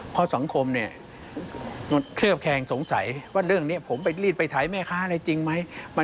เพราะสังคมเคลือบแคงสงสัยว่าเรื่องนี้ผมไปรีดไปไถไหมคะอะไรจริงไหม